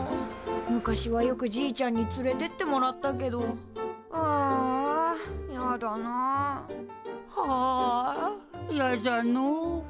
昔はよくじいちゃんに連れてってもらったけどはあやだな。はあやじゃのう。